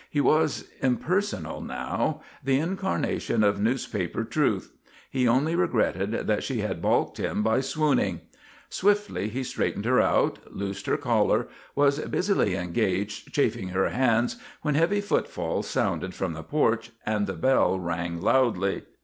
He was impersonal now; the incarnation of newspaper truth. He only regretted that she had balked him by swooning. Swiftly he straightened her out, loosed her collar, and was busily engaged chafing her hands when heavy footfalls sounded from the porch, and the bell rang loudly.